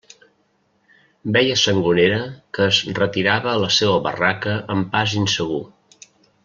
Veia Sangonera que es retirava a la seua barraca amb pas insegur.